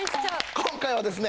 今回はですね